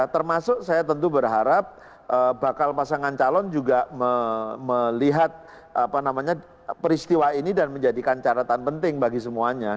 termasuk saya tentu berharap bakal pasangan calon juga melihat peristiwa ini dan menjadikan caratan penting bagi semuanya